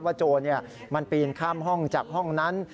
โจรมันปีนข้ามห้องจากห้องนั้น